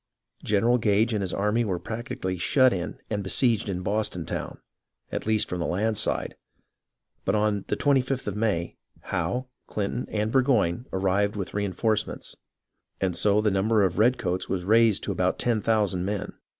General Gage and his army were practically shut in and besieged in Boston town, at least from the land side ; but on the 25th of May, Howe, Clinton, and Burgoyne arrived there with reenforcements, and so the number of the red coats was raised to about 10,000 men.